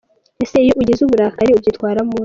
Ese iyo ugize ubukari ubyitwaramo ute?.